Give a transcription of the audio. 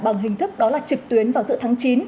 bằng hình thức đó là trực tuyến vào giữa tháng chín